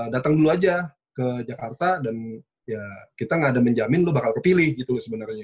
datang dulu aja ke jakarta dan ya kita gak ada menjamin lu bakal kepilih gitu sebenarnya